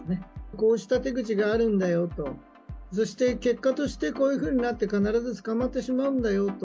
こうした手口があるんだよと、そして結果としてこういうふうになって、必ず捕まってしまうんだよと。